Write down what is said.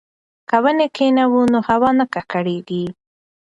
که ونې کښېنوو نو هوا نه ککړیږي.